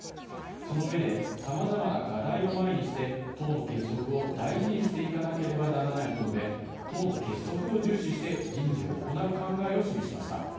その上で、さまざまな課題を前にして党の結束を大事にしていかなければならないと述べて、党の結束を重視して、人事を行う考えを示しました。